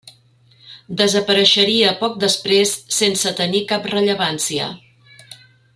Desapareixeria poc després sense tenir cap rellevància.